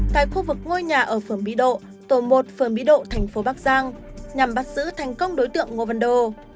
tại khu vực ngôi nhà ở phường mỹ độ tổ một phường mỹ độ thành phố bắc giang nhằm bắt giữ thành công đối tượng ngô văn đô